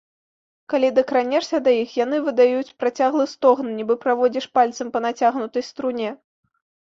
Калі дакранешся да іх, яны выдаюць працяглы стогн, нібы праводзіш пальцам па нацягнутай струне.